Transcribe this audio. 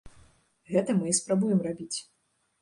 Гэта мы і спрабуем рабіць.